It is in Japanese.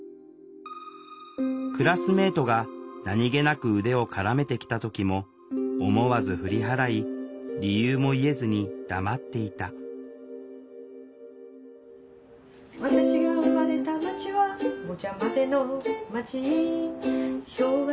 クラスメートが何気なく腕を絡めてきた時も思わず振り払い理由も言えずに黙っていた私が生まれた街はごちゃまぜの街ヒョウ柄